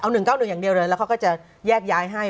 ๑๙๑อย่างเดียวเลยแล้วเขาก็จะแยกย้ายให้